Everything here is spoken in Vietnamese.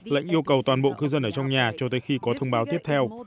lệnh yêu cầu toàn bộ cư dân ở trong nhà cho tới khi có thông báo tiếp theo